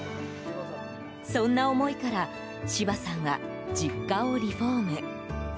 そんな思いから芝さんは実家をリフォーム。